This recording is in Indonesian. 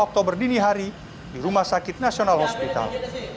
oktober dini hari di rumah sakit nasional hospital